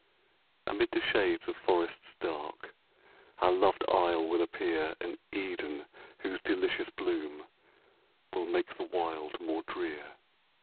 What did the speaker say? Amid the shades of forests dark, Our loved isle will appear An Eden, whose delicious bloom Will make the wild more drear.